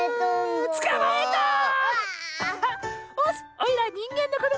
おいらはにんげんのこども。